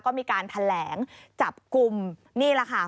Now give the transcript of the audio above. ก็มีการแถลงจับกลุ่มนี่แหละค่ะ